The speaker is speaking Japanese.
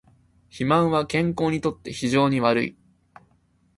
肥満は健康にとって非常に悪い